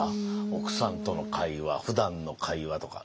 奥さんとの会話ふだんの会話とか。